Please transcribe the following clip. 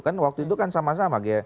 kan waktu itu kan sama sama